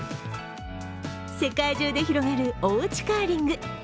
世界中で広がるおうちカーリング。